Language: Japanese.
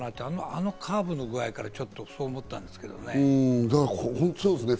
あのカーブの具合からそう思ったんですけどね。